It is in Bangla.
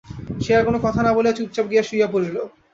সে আর কোনো কথা না বলিয়া চুপচাপ গিয়া শুইয়া পড়িল।